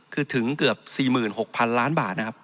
คือถึงเกือบ๔๖๐๐๐ล้านบาท